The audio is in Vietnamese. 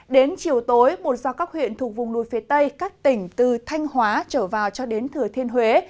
đến chiều tối một do các huyện thuộc vùng núi phía tây các tỉnh từ thanh hóa trở vào cho đến thừa thiên huế